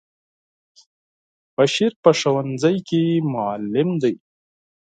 بشیر په ښونځی کی معلم دی.